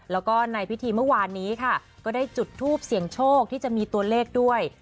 แล้วก็ในพิธีเมื่อวานนี้ค่ะก็ได้จุดทูปเสี่ยงโชคที่จะมีตัวเลขด้วย